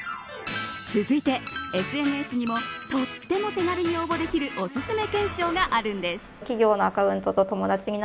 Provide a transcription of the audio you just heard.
続いて、ＳＮＳにもとっても手軽に応募できるおすすめ懸賞があるんです。